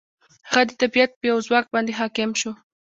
هغه د طبیعت په یو ځواک باندې حاکم شو.